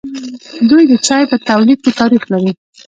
دوی د چای په تولید کې تاریخ لري.